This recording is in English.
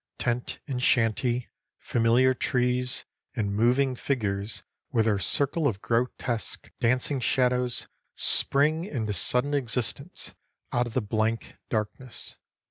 Tent and shanty, familiar trees, and moving figures with their circle of grotesque, dancing shadows, spring into sudden existence out of the blank darkness.